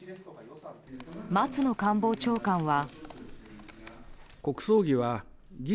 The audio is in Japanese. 松野官房長官は。